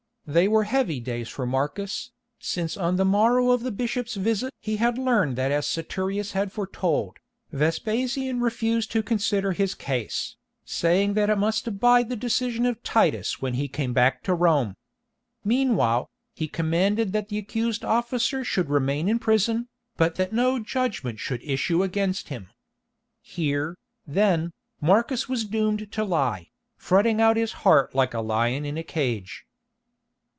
They were heavy days for Marcus, since on the morrow of the bishop's visit he had learned that as Saturius had foretold, Vespasian refused to consider his case, saying that it must abide the decision of Titus when he came back to Rome. Meanwhile, he commanded that the accused officer should remain in prison, but that no judgment should issue against him. Here, then, Marcus was doomed to lie, fretting out his heart like a lion in a cage.